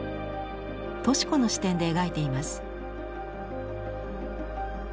敏子の視点で描いています。